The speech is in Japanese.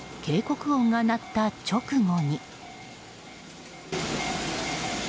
警告音が鳴った直後に。